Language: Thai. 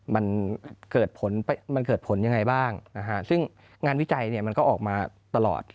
มันเกิดผลยังไงบ้างซึ่งงานวิจัยเนี่ยมันก็ออกมาตลอด